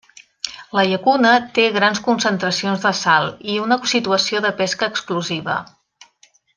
La llacuna té grans concentracions de sal i una situació de pesca exclusiva.